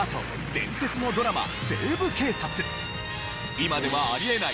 今ではあり得ない